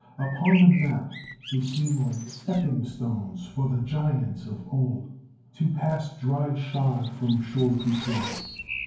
Upon the map they seem like stepping stones for the giants of old to pass dry shod from shore to shore.